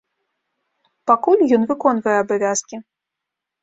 Пакуль ён выконвае абавязкі.